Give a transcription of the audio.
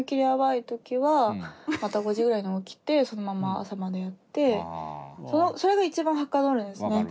ヤバい時はまた５時ぐらいに起きてそのまま朝までやってそれが一番はかどるんですね。